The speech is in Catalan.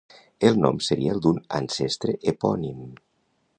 El nom seria el d'un ancestre epònim.